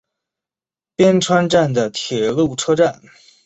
边川站的铁路车站。